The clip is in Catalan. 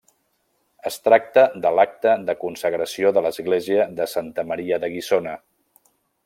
Es tracta de l'acte de consagració de l'església de santa Maria de Guissona.